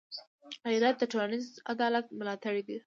غیرت د ټولنيز عدالت ملاتړی دی